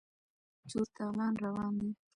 چور تالان روان دی.